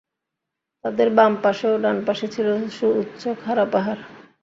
তাদের বাম পাশে ও ডান পাশে ছিল সুউচ্চ খাড়া পাহাড়।